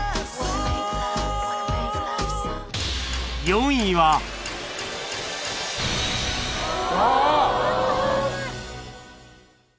４位はああ！